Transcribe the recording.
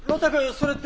それって。